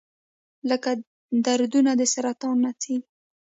لکه دردونه د سرطان نڅیږي